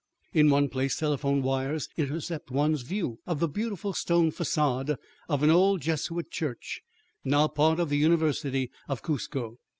In one place telephone wires intercept one's view of the beautiful stone facade of an old Jesuit Church, now part of the University of Cuzco.